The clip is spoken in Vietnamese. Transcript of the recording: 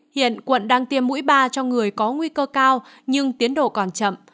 hiện quận đang tiêm mũi ba cho người có nguy cơ cao nhưng tiến độ còn chậm